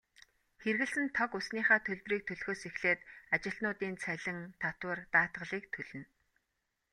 Хэрэглэсэн тог, усныхаа төлбөрийг төлөхөөс эхлээд ажилтнуудын цалин, татвар, даатгалыг төлнө.